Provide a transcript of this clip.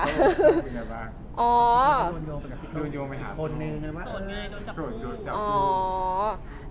โดนยวงไปหาโต้โดนจับลูก